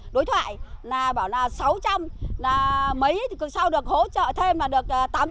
đối thoại bảo là sáu trăm linh mấy sau đó được hỗ trợ thêm là được tám trăm bốn mươi